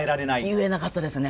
言えなかったですね。